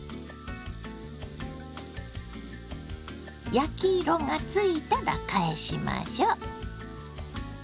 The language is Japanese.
焼き色がついたら返しましょう。